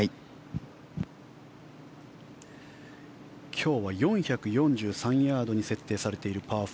今日は４４３ヤードに設定されているパー４。